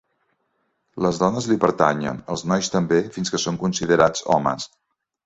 Les dones li pertanyen, els nois també, fins que són considerats homes.